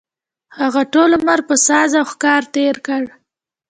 هغه ټول عمر په ساز او ښکار تېر کړ.